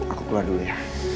aku keluar dulu ya